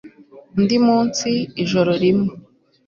undi munsi, ijoro rimwe